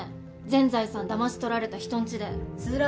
全財産だまし取られた人んちで氷柱！